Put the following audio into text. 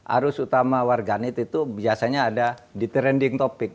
arus utama warganet itu biasanya ada di trending topic